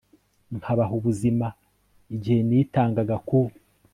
nkabaha ubuzima, igihe nitangaga ku